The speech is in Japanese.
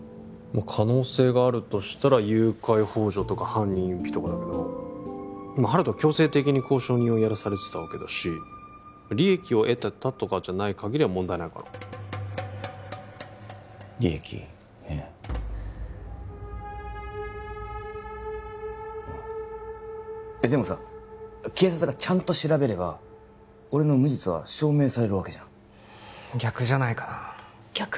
可能性があるとしたら誘拐ほう助とか犯人隠避とかだけど温人は強制的に交渉人をやらされてたわけだし利益を得てたとかじゃないかぎりは問題ないかな利益ねでもさ警察がちゃんと調べれば俺の無実は証明されるわけじゃん逆じゃないかな逆？